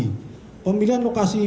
dengan sistem cluster di berbagai lokasi